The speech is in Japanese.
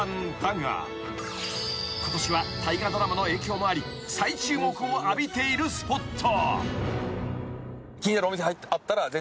［ことしは大河ドラマの影響もあり再注目を浴びているスポット］